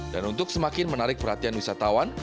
dan untuk semakin menarik perhatian wisatawan